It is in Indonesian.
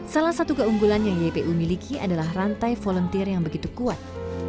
salah satu keunggulan yang ypu miliki adalah rantai volunteer yang begitu kuat